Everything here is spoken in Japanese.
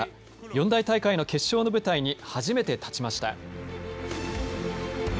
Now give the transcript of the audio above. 四大大会の決勝の舞台に初めて立ちました。